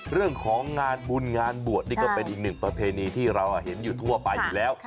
เรื่องของงานบุญงานบวชนี่ก็เป็นอีกหนึ่งประเพณีที่เราเห็นอยู่ทั่วไปอยู่แล้ว